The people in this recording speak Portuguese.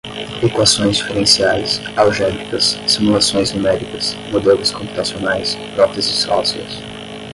Equações diferenciais, algébricas, simulações numéricas, modelos computacionais, próteses ósseas